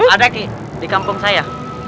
ada di kampung saya